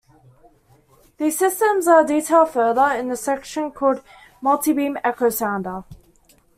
These systems are detailed further in the section called multibeam echosounder.